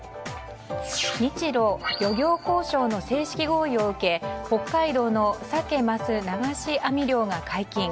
日露漁業交渉の正式合意を受け北海道のサケ・マス流し網漁が解禁。